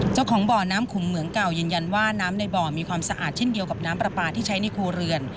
เจ้าของบ่อน้ำขุมเหมืองเก่ายืนยันว่าน้ำในบ่อมีความสะอาดเช่นเดียวกับน้ำปลาปลาที่ใช้ในครัวเรือน